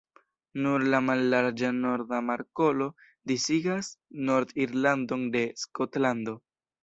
Nur la mallarĝa Norda Markolo disigas Nord-Irlandon de Skotlando.